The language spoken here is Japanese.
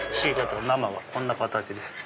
生はこんな形ですね。